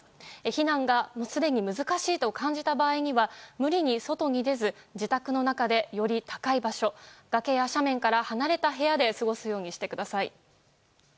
避難がすでに難しいと感じた場合には無理に外に出ず自宅の中でより高い場所崖や斜面から離れた部屋で過ごすようにしてください。